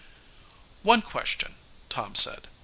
"One question," Tom said.